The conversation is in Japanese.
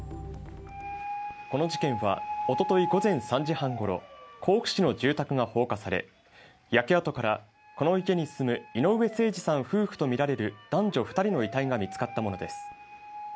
この事件はおととい午前３時半ごろ甲府市の住宅が放火され、焼け跡から、この家に住む井上盛司さん夫婦とみられる男女２人の遺体が見つかったものです。